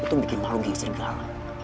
lo tuh bikin malu geng serigala